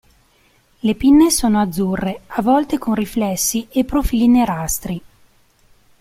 Le pinne sono azzurre, a volte con riflessi e profili nerastri.